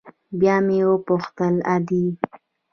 بيا مې وپوښتل ادې.